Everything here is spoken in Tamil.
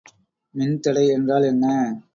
மின்தடை என்றால் என்ன?